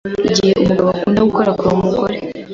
iyo umugabo akunda gukorakora umugore we